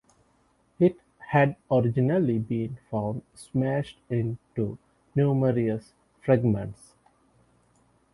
It had originally been found smashed into numerous fragments.